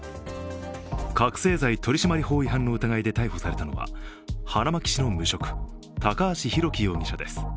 覚醒剤取締法違反の疑いで逮捕されたのは花巻市の無職、高橋祐輝容疑者です。